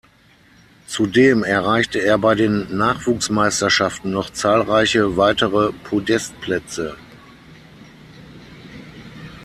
Zudem erreichte er bei den Nachwuchsmeisterschaften noch zahlreiche weitere Podestplätze.